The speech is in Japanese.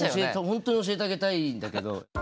ホントに教えてあげたいんだけど。